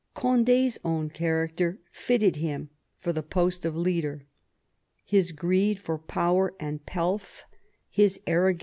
Condi's own character fitted him for the post of leader. His greed for power and pelf, his arrogance.